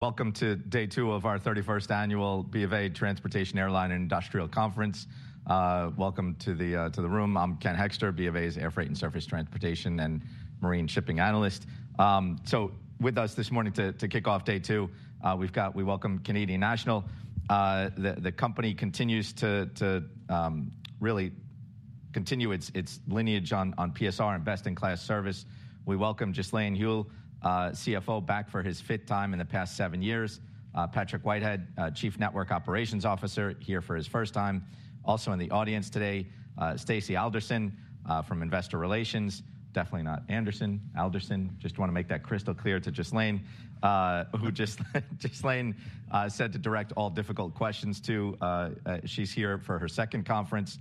Welcome to day 2 of our 31st Annual BofA Transportation, Airline, and Industrial Conference. Welcome to the room. I'm Ken Hoexter, BofA's Air Freight and Surface Transportation and Marine Shipping analyst. So with us this morning to kick off day 2, we've got we welcome Canadian National. The company continues to really continue its lineage on PSR and best-in-class service. We welcome Ghislain Houle, CFO, back for his 5th time in the past 7 years. Patrick Whitehead, Chief Network Operations Officer, here for his 1st time. Also, in the audience today, Stacy Alderson from Investor Relations. Definitely not Anderson, Alderson. Just want to make that crystal clear to Ghislain, who Ghislain said to direct all difficult questions to. She's here for her 2nd conference.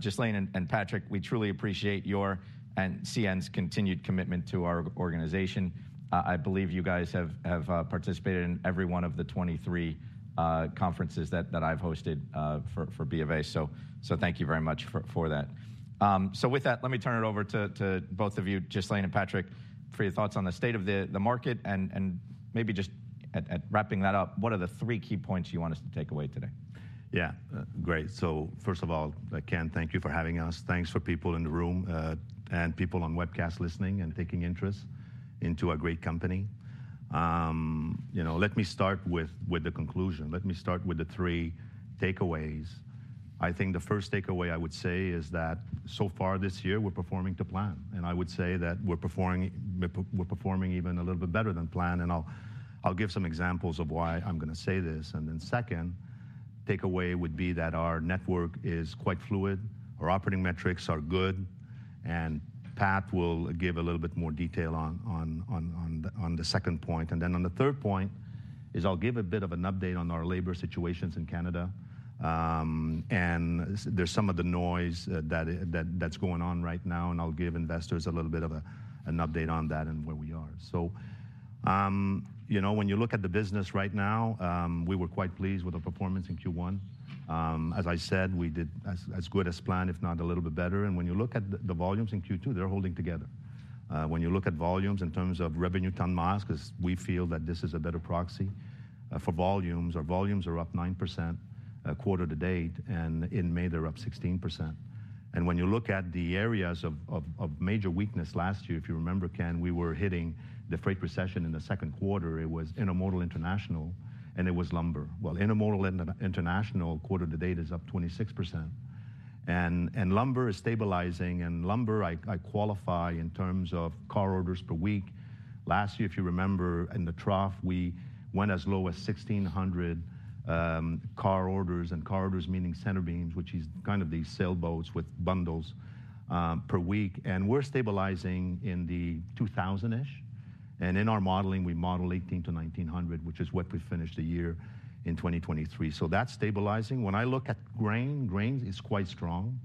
Ghislain and Patrick, we truly appreciate your and CN's continued commitment to our organization. I believe you guys have participated in every one of the 23 conferences that I've hosted for BofA, so thank you very much for that. So with that, let me turn it over to both of you, Ghislain and Patrick, for your thoughts on the state of the market and maybe just wrapping that up, what are the three key points you want us to take away today? Yeah. Great. So first of all, Ken, thank you for having us. Thanks for people in the room and people on webcast listening and taking interest in a great company. You know, let me start with the conclusion. Let me start with the three takeaways. I think the first takeaway I would say is that so far this year, we're performing to plan, and I would say that we're performing even a little bit better than planned, and I'll give some examples of why I'm gonna say this. And then second takeaway would be that our network is quite fluid, our operating metrics are good, and Pat will give a little bit more detail on the second point. And then on the third point, I'll give a bit of an update on our labor situations in Canada. And there's some of the noise that's going on right now, and I'll give investors a little bit of an update on that and where we are. So, you know, when you look at the business right now, we were quite pleased with the performance in Q1. As I said, we did as good as planned, if not a little bit better, and when you look at the volumes in Q2, they're holding together. When you look at volumes in terms of revenue ton miles, 'cause we feel that this is a better proxy for volumes, our volumes are up 9%, quarter to date, and in May, they're up 16%. When you look at the areas of major weakness last year, if you remember, Ken, we were hitting the freight recession in the second quarter. It was intermodal international, and it was lumber. Well, intermodal international, quarter to date, is up 26%, and lumber is stabilizing, and lumber, I qualify in terms of car orders per week. Last year, if you remember, in the trough, we went as low as 1,600 car orders, and car orders meaning centerbeams, which is kind of these sailboats with bundles, per week, and we're stabilizing in the 2,000-ish, and in our modeling, we model 1,800-1,900, which is what we finished the year in 2023. So that's stabilizing. When I look at grain, grains is quite strong.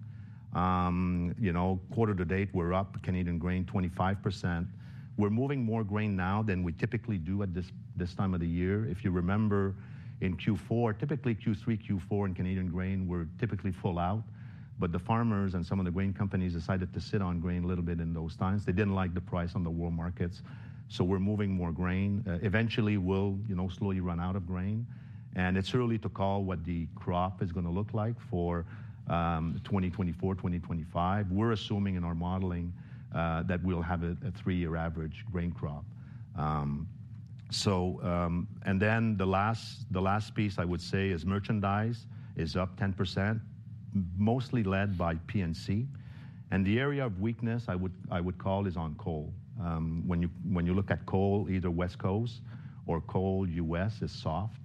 You know, quarter to date, we're up, Canadian grain, 25%. We're moving more grain now than we typically do at this time of the year. If you remember, in Q4, typically Q3, Q4 in Canadian grain, we're typically full out, but the farmers and some of the grain companies decided to sit on grain a little bit in those times. They didn't like the price on the world markets, so we're moving more grain. Eventually, we'll slowly run out of grain, and it's early to call what the crop is gonna look like for 2024, 2025. We're assuming in our modeling that we'll have a three-year average grain crop. And then the last piece I would say is merchandise is up 10%, mostly led by P&C, and the area of weakness I would call is on coal. When you, when you look at coal, either West Coast or coal US is soft.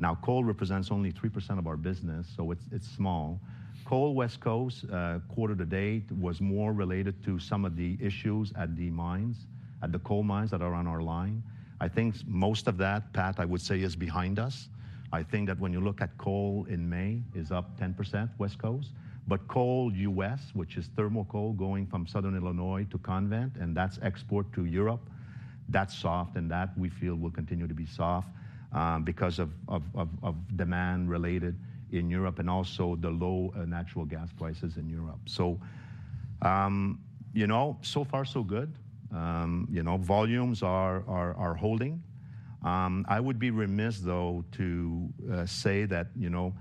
Now, coal represents only 3% of our business, so it's, it's small. Coal West Coast, quarter to date, was more related to some of the issues at the mines, at the coal mines that are on our line. I think most of that, Pat, I would say, is behind us. I think that when you look at coal in May, is up 10%, West Coast. But Coal U.S., which is thermal coal, going from Southern Illinois to Convent, and that's export to Europe, that's soft, and that we feel will continue to be soft, because of demand related in Europe and also the low natural gas prices in Europe. So, you know, so far so good. You know, volumes are holding. I would be remiss to say that, you know,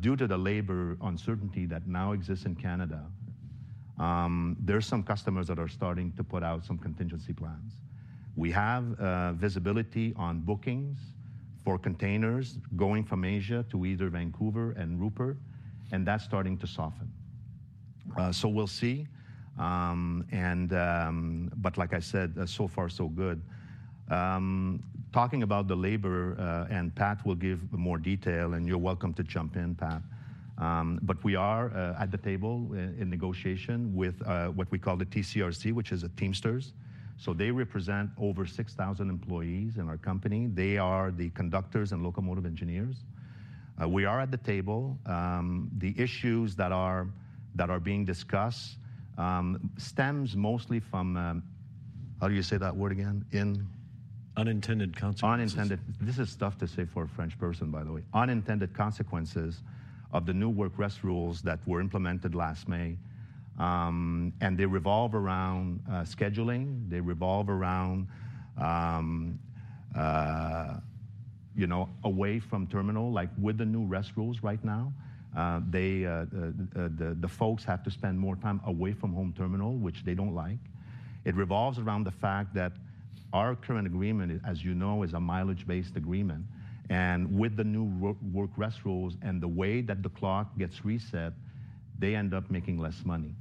due to the labor uncertainty that now exists in Canada, there are some customers that are starting to put out some contingency plans. We have visibility on bookings for containers going from Asia to either Vancouver and Rupert, and that's starting to soften. So we'll see. But like I said, so far so good. Talking about the labor, and Pat will give more detail, and you're welcome to jump in, Pat. But we are at the table in negotiation with what we call the TCRC, which is the Teamsters. So they represent over 6,000 employees in our company. They are the conductors and locomotive engineers. We are at the table. The issues that are being discussed stems mostly from. How do you say that word again? In- Unintended consequences. Unintended. This is tough to say for a French person, by the way. Unintended consequences of the new work rest rules that were implemented last May, and they revolve around scheduling. They revolve around, you know, away from terminal, like with the new rest rules right now, the folks have to spend more time away from home terminal, which they don't like. It revolves around the fact that our current agreement, as you know, is a mileage-based agreement, and with the new work rest rules and the way that the clock gets reset, they end up making less money.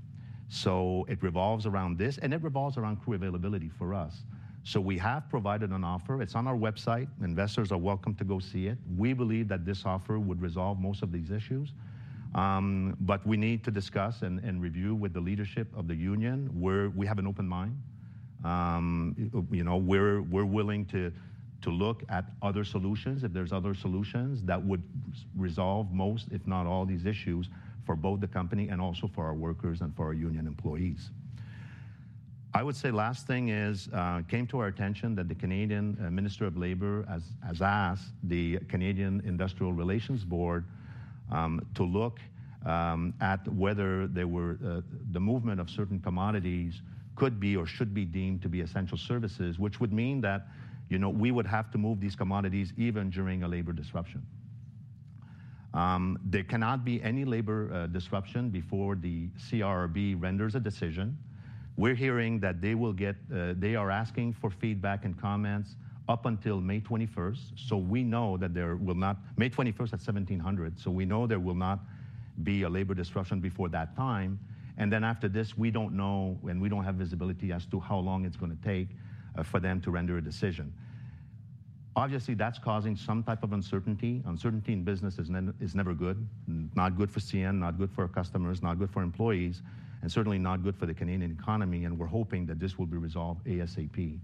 So it revolves around this, and it revolves around crew availability for us. So we have provided an offer. It's on our website. Investors are welcome to go see it. We believe that this offer would resolve most of these issues, but we need to discuss and review with the leadership of the union. We have an open mind. You know, we're willing to look at other solutions if there's other solutions that would resolve most, if not all, these issues for both the company and also for our workers and for our union employees. I would say last thing is, it came to our attention that the Canadian Minister of Labor has asked the Canadian Industrial Relations Board to look at whether there were the movement of certain commodities could be or should be deemed to be essential services, which would mean that, you know, we would have to move these commodities even during a labor disruption. There cannot be any labor disruption before the CIRB renders a decision. We're hearing that they will get, they are asking for feedback and comments up until May 21st, so we know that there will not. May 21st at 5:00 P.M., so we know there will not be a labor disruption before that time, and then after this, we don't know, and we don't have visibility as to how long it's gonna take for them to render a decision. Obviously, that's causing some type of uncertainty. Uncertainty in business is never good, not good for CN, not good for our customers, not good for employees, and certainly not good for the Canadian economy, and we're hoping that this will be resolved ASAP.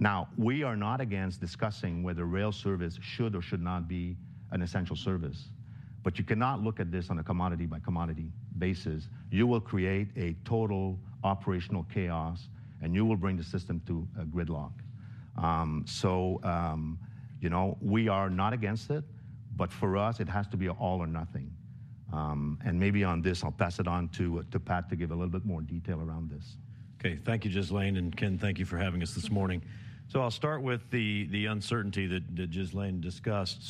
Now, we are not against discussing whether rail service should or should not be an essential service, but you cannot look at this on a commodity-by-commodity basis. You will create a total operational chaos, and you will bring the system to a gridlock. You know, we are not against it, but for us, it has to be an all or nothing. Maybe on this, I'll pass it on to Pat to give a little bit more detail around this. Okay. Thank you, Ghislain, and Ken, thank you for having us this morning. So I'll start with the uncertainty that Ghislain discussed.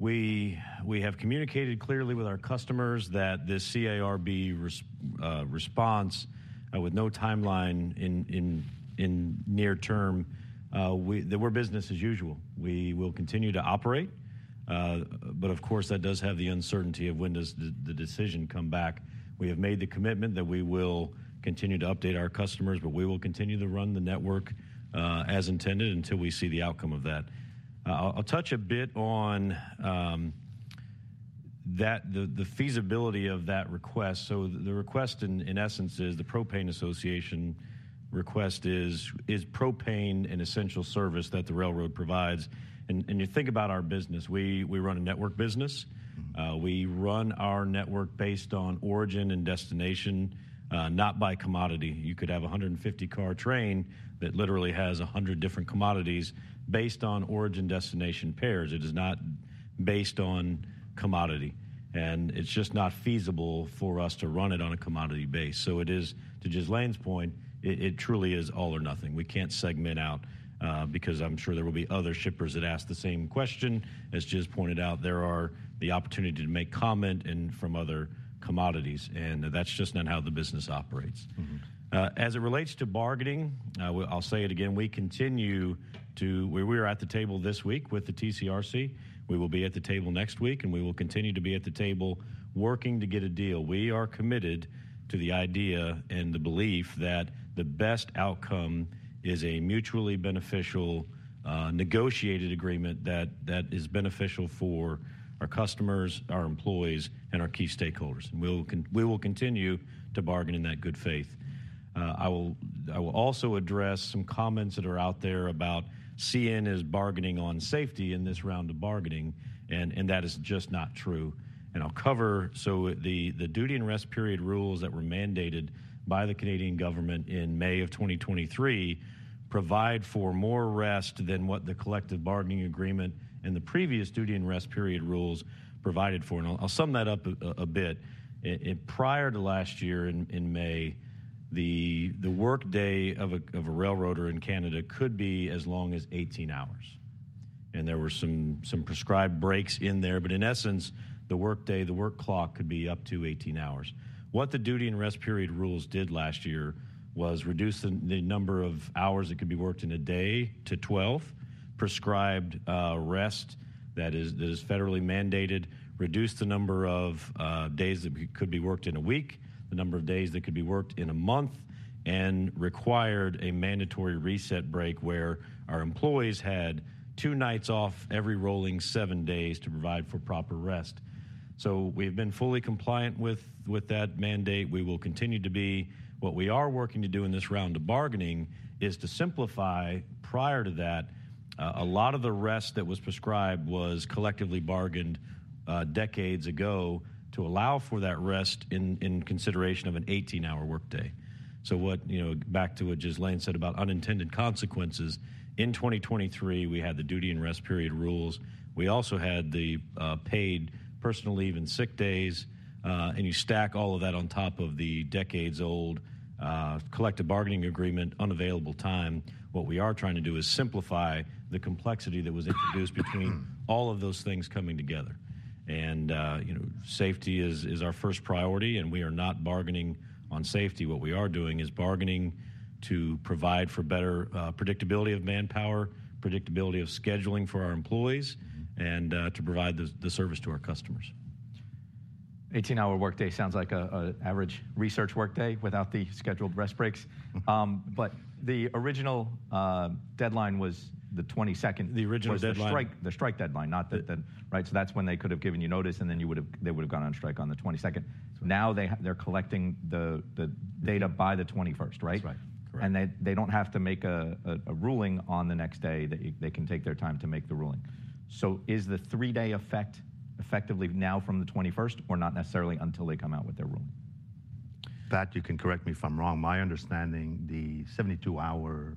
So we have communicated clearly with our customers that the CIRB response with no timeline in the near term, that we're business as usual. We will continue to operate, but of course, that does have the uncertainty of when does the decision come back. We have made the commitment that we will continue to update our customers, but we will continue to run the network as intended, until we see the outcome of that. I'll touch a bit on the feasibility of that request. So the request in essence is the Propane Association request is: Is propane an essential service that the railroad provides? You think about our business. We run a network business. We run our network based on origin and destination, not by commodity. You could have a 150-car train that literally has 100 different commodities based on origin-destination pairs. It is not based on commodity, and it's just not feasible for us to run it on a commodity base. So it is, to Ghislain's point, it truly is all or nothing. We can't segment out, because I'm sure there will be other shippers that ask the same question. As Ghislain pointed out, there are the opportunity to make comment and from other commodities, and that's just not how the business operates. As it relates to bargaining, I'll say it again, we continue to—we, we are at the table this week with the TCRC. We will be at the table next week, and we will continue to be at the table working to get a deal. We are committed to the idea and the belief that the best outcome is a mutually beneficial, negotiated agreement that, that is beneficial for our customers, our employees, and our key stakeholders, and we'll con—we will continue to bargain in that good faith. I will, I will also address some comments that are out there about CN is bargaining on safety in this round of bargaining, and, and that is just not true. And I'll cover. So the Duty and Rest Period Rules that were mandated by the Canadian government in May 2023 provide for more rest than what the collective bargaining agreement and the previous Duty and Rest Period Rules provided for, and I'll sum that up a bit. And prior to last year in May, the workday of a railroader in Canada could be as long as 18 hours, and there were some prescribed breaks in there. But in essence, the workday, the work clock could be up to 18 hours. What the Duty and Rest Period Rules did last year was reduce the number of hours that could be worked in a day to 12, prescribed rest, that is, federally mandated, reduced the number of days that could be worked in a week, the number of days that could be worked in a month, and required a mandatory reset break where our employees had 2 nights off every rolling 7 days to provide for proper rest. So we've been fully compliant with that mandate. We will continue to be. What we are working to do in this round of bargaining is to simplify. Prior to that, a lot of the rest that was prescribed was collectively bargained decades ago to allow for that rest in consideration of an 18-hour workday. You know, back to what Ghislain said about unintended consequences, in 2023, we had the Duty and Rest Period Rules. We also had the paid personal leave and sick days. And you stack all of that on top of the decades-old collective bargaining agreement, unavailable time. What we are trying to do is simplify the complexity that was introduced between all of those things coming together. And, you know, safety is our first priority, and we are not bargaining on safety. What we are doing is bargaining to provide for better predictability of manpower, predictability of scheduling for our employees, and to provide the service to our customers. 18-hour workday sounds like an average research workday without the scheduled rest breaks. But the original deadline was the 22nd. The original deadline- Was the strike deadline, right? So that's when they could have given you notice, and then you would've, they would've gone on strike on the 22nd. Now they're collecting the data by the 21st, right? That's right. Correct. They don't have to make a ruling on the next day, that they can take their time to make the ruling. Is the three-day effect effectively now from the 21st or not necessarily until they come out with their ruling? Pat, you can correct me if I'm wrong. My understanding, the 72 hour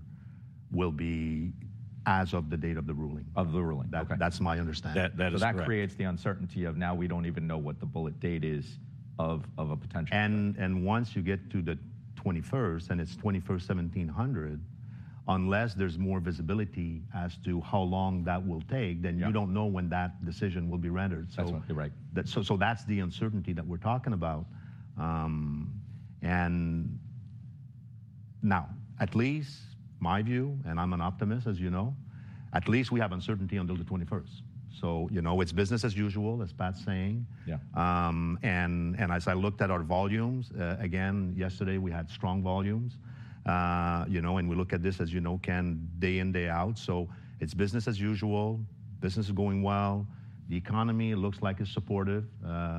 will be as of the date of the ruling. That's my understanding. That is correct. That creates the uncertainty of now we don't even know what the bullet date is of, of a potential. Once you get to the 21st at 5:00 P.M., unless there's more visibility as to how long that will take then you don't know when that decision will be rendered. That's exactly right. So that's the uncertainty that we're talking about. And now, at least my view, and I'm an optimist, as you know, at least we have uncertainty until the 21st. So, you know, it's business as usual, as Pat's saying. Yeah. As I looked at our volumes, again, yesterday, we had strong volumes. You know, and we look at this, as you know, Ken, day in, day out, so it's business as usual. Business is going well. The economy looks like it's supportive.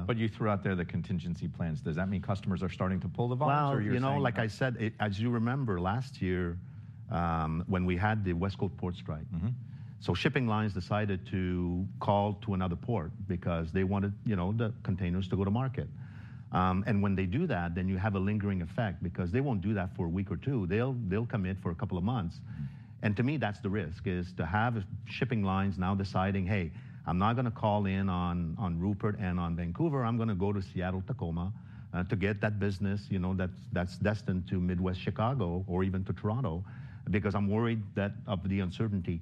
But you threw out there the contingency plans. Does that mean customers are starting to pull the volume, or you're saying- Well, you know, like I said, as you remember, last year, when we had the West Coast port strike. So shipping lines decided to call to another port because they wanted, you know, the containers to go to market. And when they do that, then you have a lingering effect because they won't do that for a week or two. They'll, they'll commit for a couple of months. And to me, that's the risk, is to have shipping lines now deciding, "Hey, I'm not gonna call in on, on Rupert and on Vancouver. I'm gonna go to Seattle Tacoma, to get that business, you know, that's, that's destined to Midwest Chicago or even to Toronto, because I'm worried that of the uncertainty,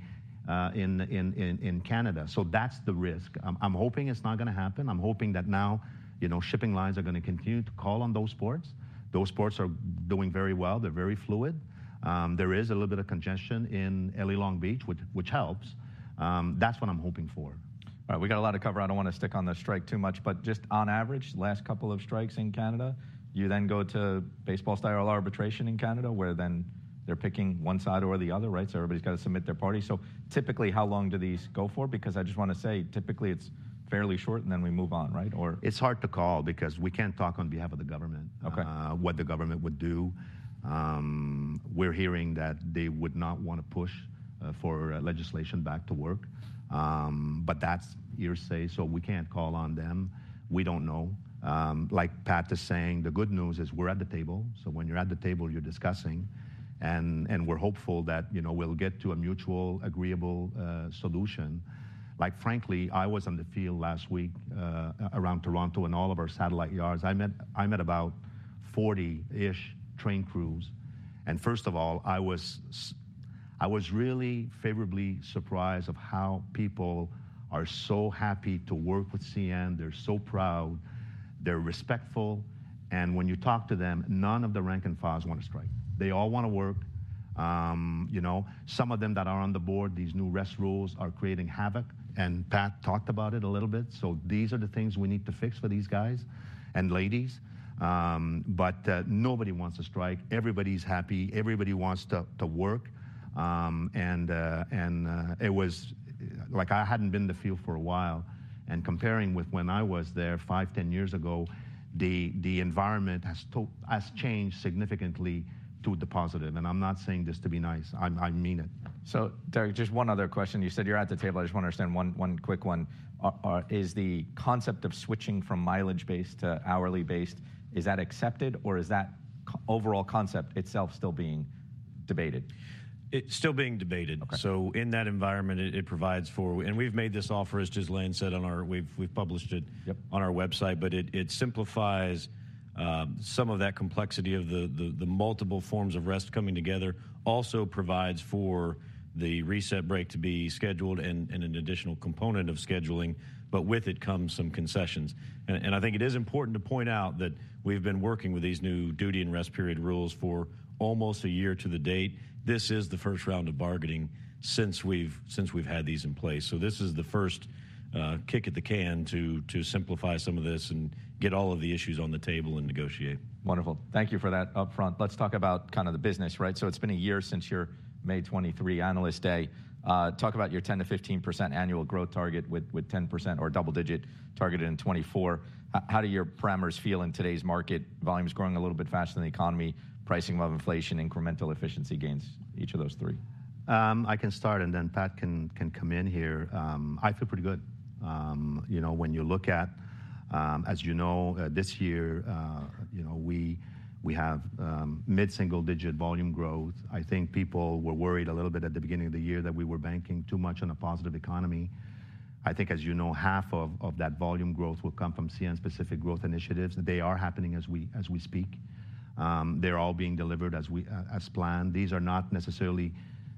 in, in, in, in Canada." So that's the risk. I'm, I'm hoping it's not gonna happen. I'm hoping that now, you know, shipping lines are gonna continue to call on those ports. Those ports are doing very well. They're very fluid. There is a little bit of congestion in L.A. Long Beach, which helps. That's what I'm hoping for. All right, we got a lot to cover. I don't want to stick on the strike too much, but just on average, last couple of strikes in Canada, you then go to baseball-style arbitration in Canada, where then they're picking one side or the other, right? So everybody's got to submit their party. So typically, how long do these go for? Because I just want to say, typically, it's fairly short, and then we move on, right? It's hard to call because we can't talk on behalf of the government what the government would do. We're hearing that they would not want to push for legislation back to work. But that's hearsay, so we can't call on them. We don't know. Like Pat is saying, the good news is we're at the table, so when you're at the table, you're discussing, and we're hopeful that, you know, we'll get to a mutual agreeable solution. Like, frankly, I was on the field last week around Toronto and all of our satellite yards. I met about 40-ish train crews, and first of all, I was really favorably surprised of how people are so happy to work with CN. They're so proud, they're respectful, and when you talk to them, none of the rank and file want to strike. They all want to work. You know, some of them that are on board, these new rest rules are creating havoc, and Pat talked about it a little bit. So these are the things we need to fix for these guys and ladies. But nobody wants to strike. Everybody's happy. Everybody wants to work. Like, I hadn't been in the field for a while, and comparing with when I was there 5, 10 years ago, the environment has changed significantly to the positive, and I'm not saying this to be nice. I mean it. So Derek, just one other question. You said you're at the table. I just want to understand one, one quick one. Is the concept of switching from mileage-based to hourly-based, is that accepted, or is that overall concept itself still being debated? It's still being debated. Okay. So in that environment, it provides and we've made this offer, as just Lane said. We've published it on our website, but it simplifies some of that complexity of the multiple forms of rest coming together. Also provides for the reset break to be scheduled and an additional component of scheduling, but with it comes some concessions. And I think it is important to point out that we've been working with these new Duty and Rest Period Rules for almost a year to the date. This is the first round of bargaining since we've had these in place. So this is the first kick at the can to simplify some of this and get all of the issues on the table and negotiate. Wonderful. Thank you for that upfront. Let's talk about kind of the business, right? So it's been a year since your May 2023 Analyst Day. Talk about your 10%-15% annual growth target with, with 10% or double-digit targeted in 2024. How do your parameters feel in today's market? Volume's growing a little bit faster than the economy, pricing above inflation, incremental efficiency gains, each of those three. I can start, and then Pat can come in here. I feel pretty good when you look at, as you know, this year, you know, we have mid-single-digit volume growth. I think people were worried a little bit at the beginning of the year that we were banking too much on a positive economy. I think, as you know, half of that volume growth will come from CN-specific growth initiatives. They are happening as we speak. They're all being delivered as we, as planned. These are not necessarily,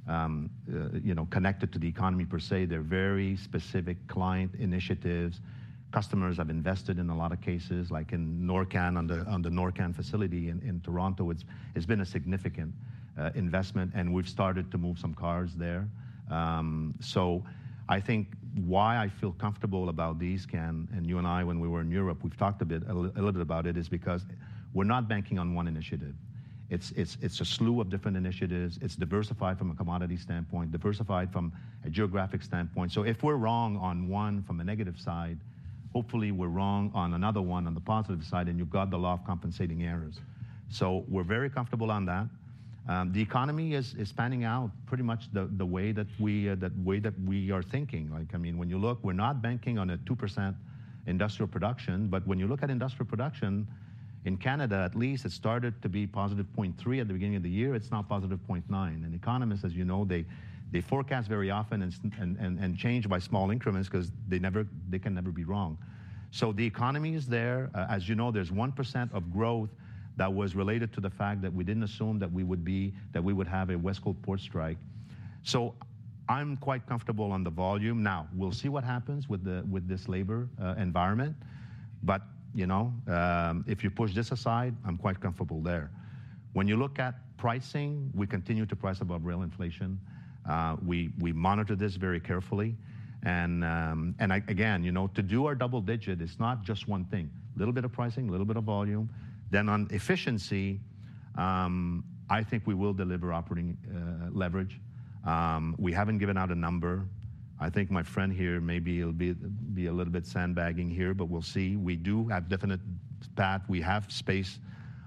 you know, connected to the economy per se. They're very specific client initiatives. Customers have invested in a lot of cases, like in Norcan, on the Norcan facility in Toronto. It's, it's been a significant, investment, and we've started to move some cars there. So I think why I feel comfortable about these, Ken, and you and I, when we were in Europe, we've talked a bit, a little, a little bit about it, is because we're not banking on one initiative. It's, it's, it's a slew of different initiatives. It's diversified from a commodity standpoint, diversified from a geographic standpoint. So if we're wrong on one from a negative side, hopefully we're wrong on another one on the positive side, and you've got the law of compensating errors. So we're very comfortable on that. The economy is, is panning out pretty much the, the way that we, the way that we are thinking. Like, I mean, when you look, we're not banking on a 2% industrial production, but when you look at industrial production, in Canada at least, it started to be positive 0.3 at the beginning of the year. It's now positive 0.9. And economists, as you know, they forecast very often and change by small increments 'cause they never, they can never be wrong. So the economy is there. As you know, there's 1% of growth that was related to the fact that we didn't assume that we would have a West Coast port strike. So I'm quite comfortable on the volume. Now, we'll see what happens with this labor environment, but, you know, if you push this aside, I'm quite comfortable there. When you look at pricing, we continue to price above real inflation. We monitor this very carefully, again to do our double digit, it's not just one thing, little bit of pricing, little bit of volume. Then on efficiency, I think we will deliver operating leverage. We haven't given out a number. I think my friend here, maybe he'll be a little bit sandbagging here, but we'll see. We do have definite path. We have space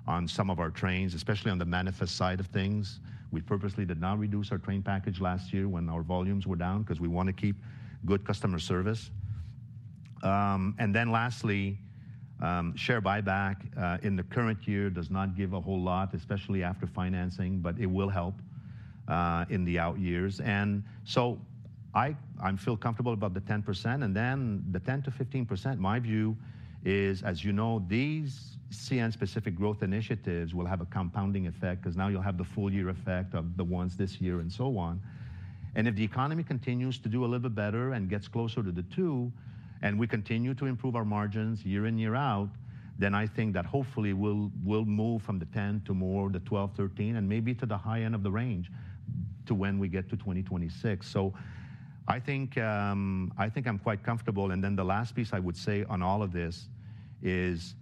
on some of our trains, especially on the manifest side of things. We purposely did not reduce our train package last year when our volumes were down, 'cause we wanna keep good customer service. And then lastly, share buyback in the current year does not give a whole lot, especially after financing, but it will help in the out years. And so I feel comfortable about the 10%, and then the 10%-15%, my view is, as you know, these CN-specific growth initiatives will have a compounding effect, 'cause now you'll have the full year effect of the ones this year and so on. And if the economy continues to do a little bit better and gets closer to the two, and we continue to improve our margins year in, year out, then I think that hopefully we'll, we'll move from the 10 to more the 12, 13, and maybe to the high end of the range to when we get to 2026. So I think, I'm quite comfortable. Then the last piece I would say on all of this is,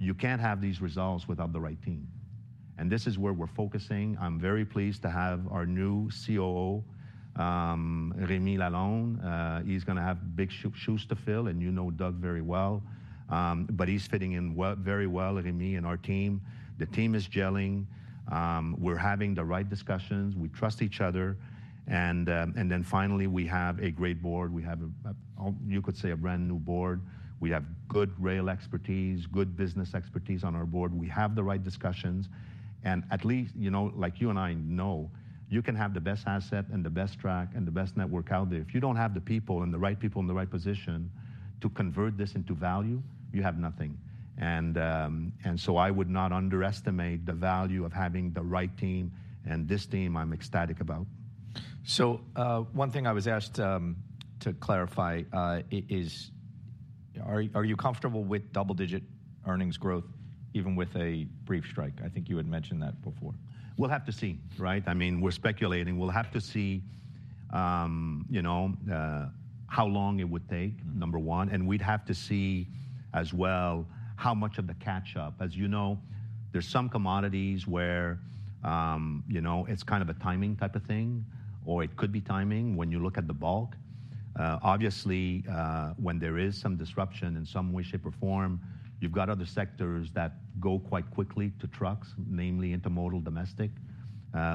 you can't have these results without the right team, and this is where we're focusing. I'm very pleased to have our new COO, Rémi Lalonde. He's gonna have big shoes to fill, and you know Doug very well. But he's fitting in very well, Rémi and our team. The team is gelling. We're having the right discussions. We trust each other. Then finally, we have a great board. We have a, you could say, a brand-new board. We have good rail expertise, good business expertise on our board. We have the right discussions, and at least, you know, like you and I know, you can have the best asset and the best track and the best network out there. If you don't have the people and the right people in the right position to convert this into value, you have nothing. And so I would not underestimate the value of having the right team, and this team I'm ecstatic about. One thing I was asked to clarify is, are you comfortable with double-digit earnings growth, even with a brief strike? I think you had mentioned that before. We'll have to see, right? I mean, we're speculating. We'll have to see, you know, how long it would take number one, and we'd have to see as well how much of the catch-up. As you know, there's some commodities where, you know, it's kind of a timing type of thing, or it could be timing when you look at the bulk. Obviously, when there is some disruption in some way, shape, or form, you've got other sectors that go quite quickly to trucks, namely intermodal, domestic.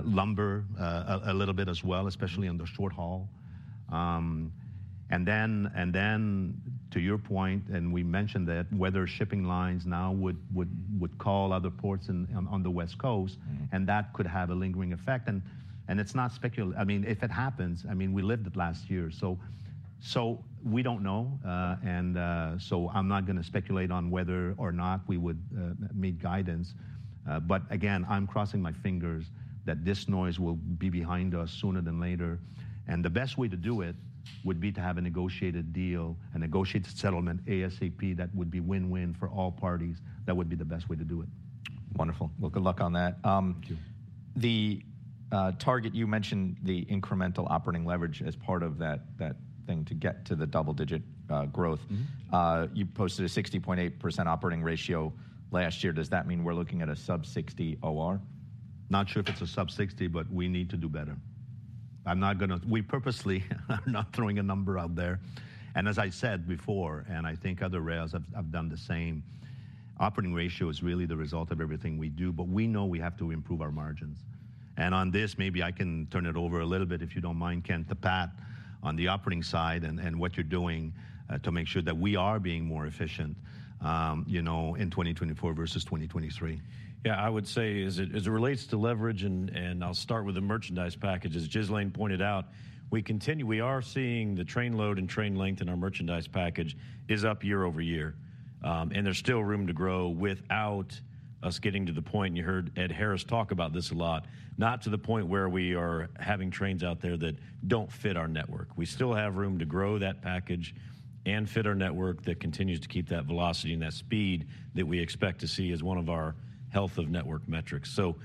Lumber, a little bit as well, especially on the short haul. And then, to your point, and we mentioned that, whether shipping lines now would call other ports on the West Coast and that could have a lingering effect. And it's not speculative, if it happens, I mean, we lived it last year, so we don't know. So I'm not gonna speculate on whether or not we would meet guidance. But again, I'm crossing my fingers that this noise will be behind us sooner than later, and the best way to do it would be to have a negotiated deal, a negotiated settlement, ASAP, that would be win-win for all parties. That would be the best way to do it. Wonderful. Well, good luck on that. Thank you. The target you mentioned, the incremental operating leverage as part of that thing to get to the double-digit growth. You posted a 60.8% operating ratio last year. Does that mean we're looking at a sub-60 OR? Not sure if it's a sub-60, but we need to do better. I'm not gonna. We purposely are not throwing a number out there, and as I said before, and I think other rails have done the same. Operating ratio is really the result of everything we do, but we know we have to improve our margins. And on this, maybe I can turn it over a little bit, if you don't mind, Ken, to Pat, on the operating side and what you're doing to make sure that we are being more efficient in 2024 versus 2023. Yeah, I would say as it relates to leverage, and I'll start with the merchandise package. As Ghislain pointed out, we are seeing the train load and train length in our merchandise package is up year-over-year. And there's still room to grow without us getting to the point. You heard Ed Harris talk about this a lot, not to the point where we are having trains out there that don't fit our network. We still have room to grow that package and fit our network that continues to keep that velocity and that speed that we expect to see as one of our health of network metrics. So,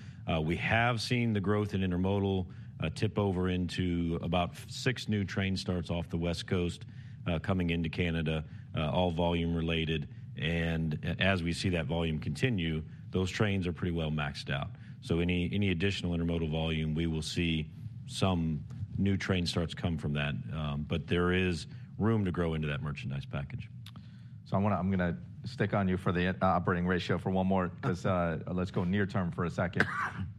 we have seen the growth in intermodal tip over into about 5-6 new train starts off the West Coast, coming into Canada, all volume-related. And as we see that volume continue, those trains are pretty well maxed out. So any, any additional intermodal volume, we will see some new train starts come from that, but there is room to grow into that merchandise package. So I'm gonna stick on you for the operating ratio for one more 'cause, let's go near term for a second.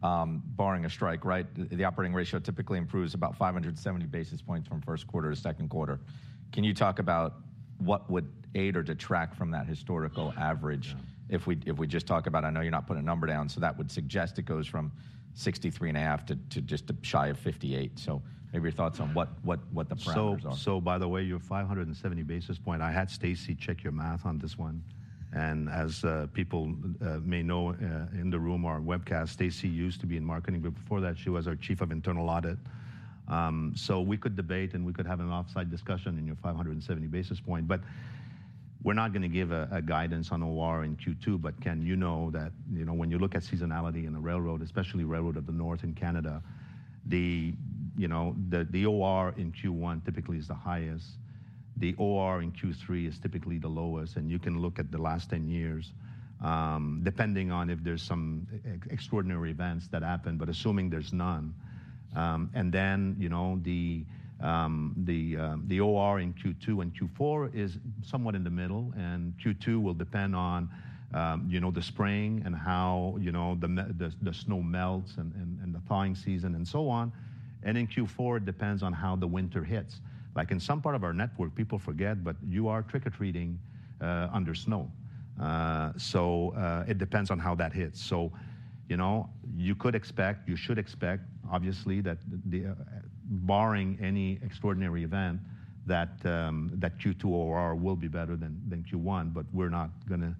Barring a strike, right, the operating ratio typically improves about 570 basis points from first quarter to second quarter. Can you talk about what would aid or detract from that historical average if we just talk about, I know you're not putting a number down, so that would suggest it goes from 63.5 to just shy of 58? So maybe your thoughts on what the parameters are. So by the way, your 570 basis point, I had Stacy check your math on this one, and as people may know in the room or on webcast, Stacy used to be in marketing, but before that, she was our chief of internal audit. So we could debate, and we could have an off-site discussion on your 570 basis point, but we're not gonna give a guidance on OR in Q2. But, Ken, you know that, you know, when you look at seasonality in the railroad, especially railroad of the North in Canada, you know, the OR in Q1 typically is the highest. The OR in Q3 is typically the lowest, and you can look at the last 10 years, depending on if there's some extraordinary events that happened, but assuming there's none. And then, you know, the OR in Q2 and Q4 is somewhat in the middle, and Q2 will depend on, you know, the spring and how, you know, the snow melts and the thawing season and so on. And in Q4, it depends on how the winter hits. Like, in some part of our network, people forget, but you are trick-or-treating under snow. So, it depends on how that hits. So, you know, you could expect, you should expect, obviously, that barring any extraordinary event, that Q2 OR will be better than Q1, but we're not gonna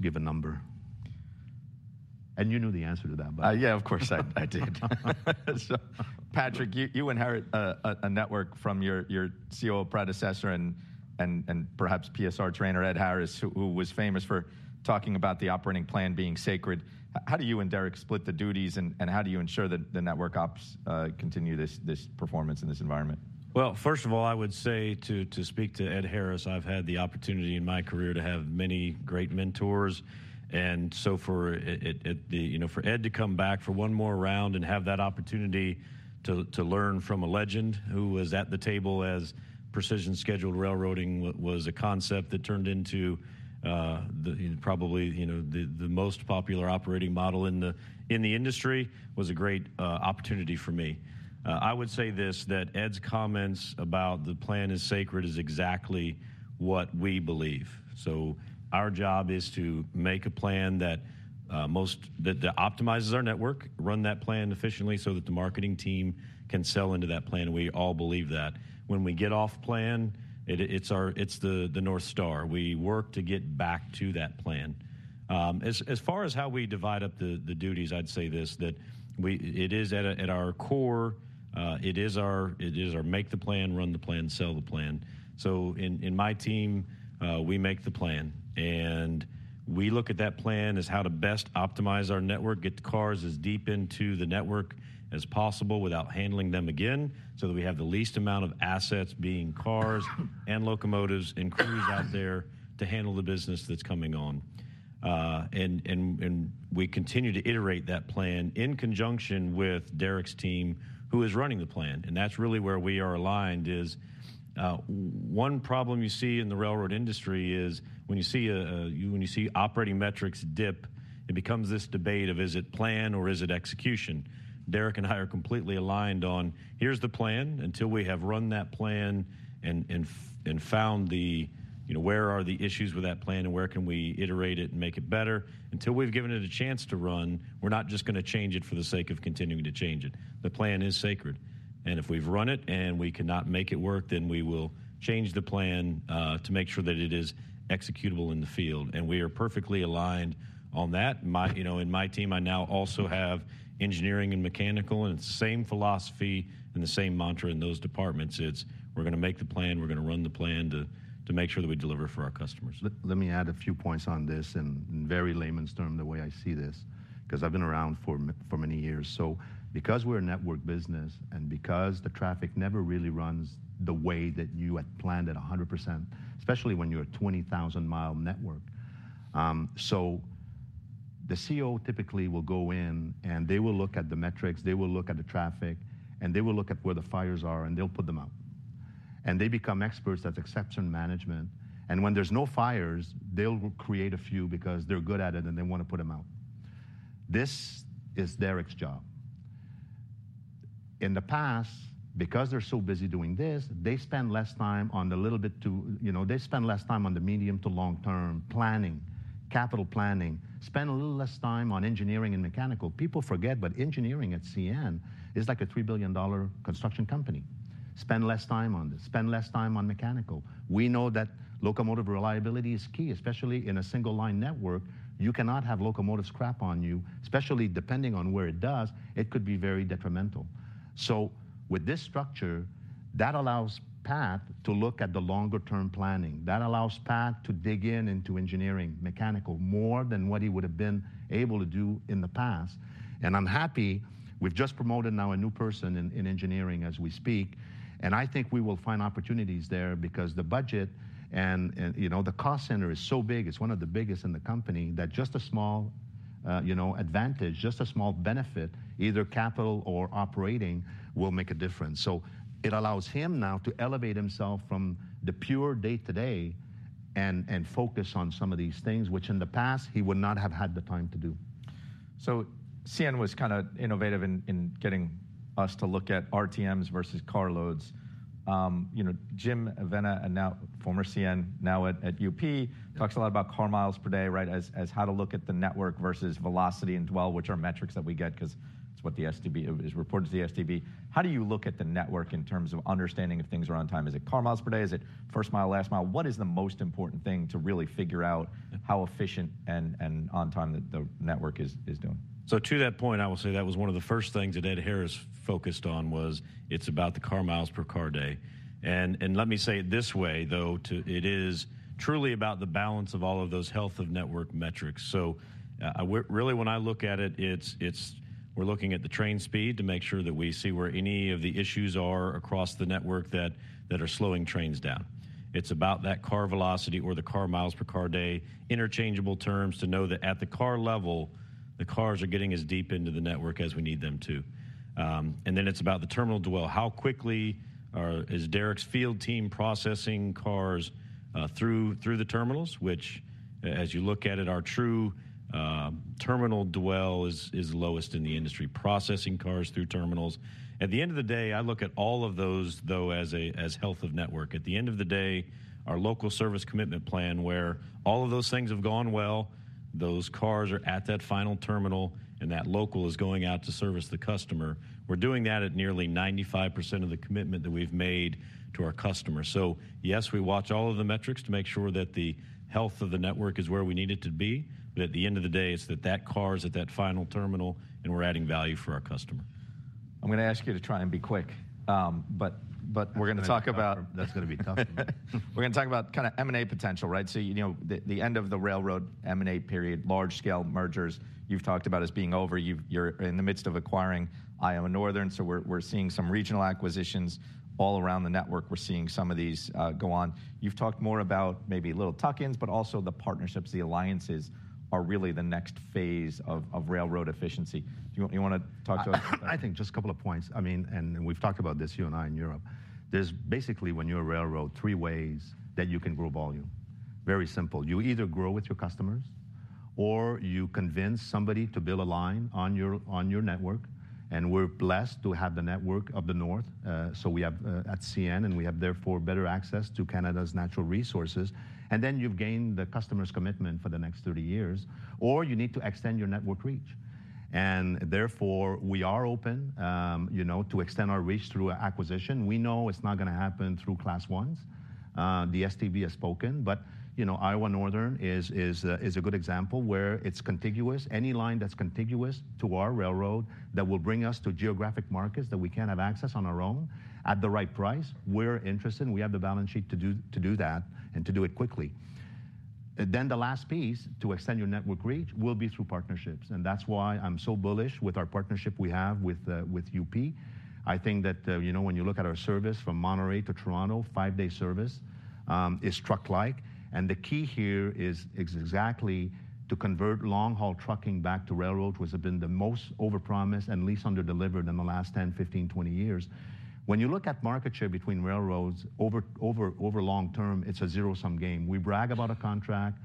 give a number. And you knew the answer to that. Yeah, of course I did. So Patrick, you inherit a network from your CEO predecessor and perhaps PSR trainer, Ed Harris, who was famous for talking about the operating plan being sacred. How do you and Derek split the duties, and how do you ensure that the network ops continue this performance in this environment? Well, first of all, I would say to speak to Ed Harris, I've had the opportunity in my career to have many great mentors. For Ed to come back for one more round and have that opportunity to learn from a legend who was at the table as Precision Scheduled Railroading was a concept that turned into, probably, you know, the most popular operating model in the industry, was a great opportunity for me. I would say this, that Ed's comments about the plan is sacred is exactly what we believe. So our job is to make a plan that optimizes our network, run that plan efficiently, so that the marketing team can sell into that plan. We all believe that. When we get off plan, it's our North Star. We work to get back to that plan. As far as how we divide up the duties, I'd say this: that it is at our core, it is our make the plan, run the plan, sell the plan. So in my team, we make the plan, and we look at that plan as how to best optimize our network, get the cars as deep into the network as possible without handling them again, so that we have the least amount of assets being cars and locomotives and crews out there to handle the business that's coming on. And we continue to iterate that plan in conjunction with Derek's team, who is running the plan, and that's really where we are aligned is. One problem you see in the railroad industry is, when you see operating metrics dip, it becomes this debate of, is it plan or is it execution? Derek and I are completely aligned on, here's the plan. Until we have run that plan and found the, you know, where are the issues with that plan and where can we iterate it and make it better, until we've given it a chance to run, we're not just gonna change it for the sake of continuing to change it. The plan is sacred, and if we've run it, and we cannot make it work, then we will change the plan, to make sure that it is executable in the field, and we are perfectly aligned on that. You know, in my team, I now also have engineering and mechanical, and it's the same philosophy and the same mantra in those departments. It's, we're gonna make the plan, we're gonna run the plan to, to make sure that we deliver for our customers. Let me add a few points on this, in very layman's term, the way I see this, 'cause I've been around for many years. So because we're a network business and because the traffic never really runs the way that you had planned it 100%, especially when you're a 20,000-mile network. The CO typically will go in, and they will look at the metrics, they will look at the traffic, and they will look at where the fires are, and they'll put them out. And they become experts at exception management, and when there's no fires, they'll create a few because they're good at it, and they wanna put them out. This is Derek's job. In the past, because they're so busy doing this, they spend less time on the little bit to, you know, they spend less time on the medium to long-term planning, capital planning. Spend a little less time on engineering and mechanical. People forget, but engineering at CN is like a 3 billion dollar construction company. Spend less time on this. Spend less time on mechanical. We know that locomotive reliability is key, especially in a single-line network. You cannot have locomotive scrap on you, especially depending on where it does, it could be very detrimental. So with this structure, that allows Pat to look at the longer-term planning. That allows Pat to dig in into engineering, mechanical, more than what he would've been able to do in the past. I'm happy, we've just promoted now a new person in engineering as we speak, and I think we will find opportunities there because the budget and, you know, the cost center is so big, it's one of the biggest in the company, that just a small, you know, advantage, just a small benefit, either capital or operating, will make a difference. So it allows him now to elevate himself from the pure day-to-day and focus on some of these things, which in the past, he would not have had the time to do. So CN was kinda innovative in getting us to look at RTMs versus carloads. You know, Jim Vena, and now former CN, now at UP talks a lot about car miles per day, right, as, as how to look at the network versus velocity and dwell, which are metrics that we get, 'cause it's what the STB is reported to the STB. How do you look at the network in terms of understanding if things are on time? Is it car miles per day? Is it first mile, last mile? What is the most important thing to really figure out how efficient and on time the network is doing? So to that point, I will say that was one of the first things that Ed Harris focused on was, it's about the car miles per car day. And let me say it this way, it is truly about the balance of all of those health of network metrics. So, really, when I look at it, it's, we're looking at the train speed to make sure that we see where any of the issues are across the network that are slowing trains down. It's about that car velocity or the car miles per car day, interchangeable terms, to know that at the car level, the cars are getting as deep into the network as we need them to. And then it's about the terminal dwell. How quickly is Derek's field team processing cars through the terminals? Which, as you look at it, our true terminal dwell is lowest in the industry, processing cars through terminals. At the end of the day, I look at all of those, though, as health of network. At the end of the day, our Local Service Commitment Plan, where all of those things have gone well, those cars are at that final terminal, and that local is going out to service the customer. We're doing that at nearly 95% of the commitment that we've made to our customers. So yes, we watch all of the metrics to make sure that the health of the network is where we need it to be, but at the end of the day, it's that that car is at that final terminal, and we're adding value for our customer. I'm gonna ask you to try and be quick. But we're gonna talk about. That's gonna be tough. We're gonna talk about kinda M&A potential, right? So, you know, the end of the railroad M&A period, large-scale mergers, you've talked about as being over. You're in the midst of acquiring Iowa Northern, so we're seeing some regional acquisitions. All around the network, we're seeing some of these go on. You've talked more about maybe little tuck-ins, but also the partnerships, the alliances, are really the next phase of railroad efficiency. You wanna talk to us? I think just a couple of points. I mean, and we've talked about this, you and I, in Europe. There's basically, when you're a railroad, three ways that you can grow volume. Very simple. You either grow with your customers, or you convince somebody to build a line on your network, and we're blessed to have the network of the North. So we have at CN, and we have therefore better access to Canada's natural resources, and then you've gained the customer's commitment for the next 30 years, or you need to extend your network reach. And therefore, we are open, you know, to extend our reach through an acquisition. We know it's not gonna happen through Class 1s. The STB has spoken, but, you know, Iowa Northern is a good example, where it's contiguous. Any line that's contiguous to our railroad, that will bring us to geographic markets that we can't have access on our own, at the right price, we're interested, and we have the balance sheet to do that and to do it quickly. And then the last piece, to extend your network reach, will be through partnerships, and that's why I'm so bullish with our partnership we have with UP. I think that, you know, when you look at our service from Monterrey to Toronto, five-day service, is truck-like. And the key here is exactly to convert long-haul trucking back to railroad, which have been the most over-promised and least under-delivered in the last 10, 15, 20 years. When you look at market share between railroads, over long term, it's a zero-sum game. We brag about a contract,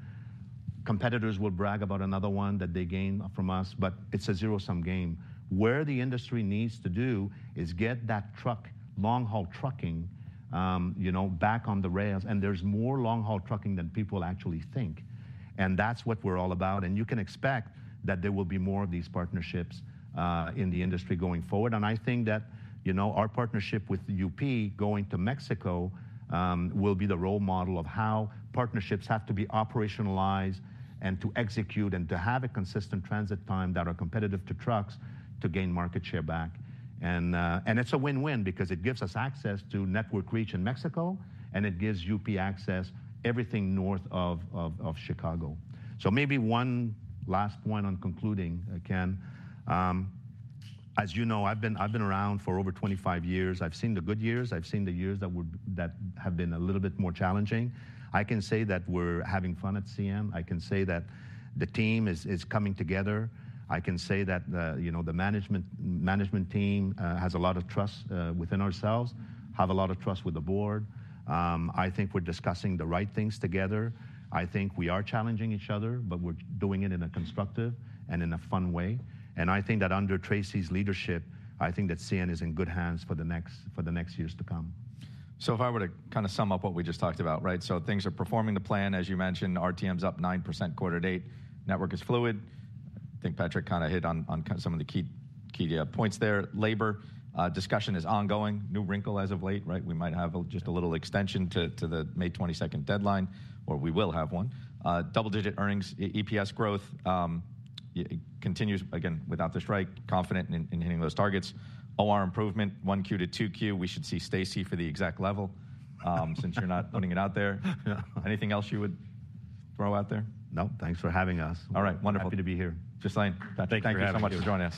competitors will brag about another one that they gain from us, but it's a zero-sum game. Where the industry needs to do is get that truck, long-haul trucking back on the rails, and there's more long-haul trucking than people actually think. And that's what we're all about, and you can expect that there will be more of these partnerships in the industry going forward. And I think that, you know, our partnership with UP going to Mexico will be the role model of how partnerships have to be operationalized and to execute and to have a consistent transit time that are competitive to trucks to gain market share back. And it's a win-win because it gives us access to network reach in Mexico, and it gives UP access everything north of Chicago. So maybe one last point on concluding, again, as you know, I've been around for over 25 years. I've seen the good years. I've seen the years that have been a little bit more challenging. I can say that we're having fun at CN. I can say that the team is coming together. I can say that the, you know, the management team has a lot of trust within ourselves, have a lot of trust with the board. I think we're discussing the right things together. I think we are challenging each other, but we're doing it in a constructive and in a fun way. And I think that under Tracy's leadership, I think that CN is in good hands for the next years to come. So if I were to kinda sum up what we just talked about, right? So things are performing to plan, as you mentioned, RTMs up 9% quarter to date. Network is fluid. I think Patrick kinda hit on, on kind of some of the key, key points there. Labor discussion is ongoing. New wrinkle as of late, right? We might have a, just a little extension to the May 22nd deadline, or we will have one. Double-digit earnings, EPS growth, it continues, again, without the strike, confident in hitting those targets. OR improvement, 1Q to 2Q, we should see Stacy for the exact level, since you're not putting it out there. Yeah. Anything else you would throw out there? No, thanks for having us. All right. Wonderful. Happy to be here. Thank you for having us. Thank you so much for joining us.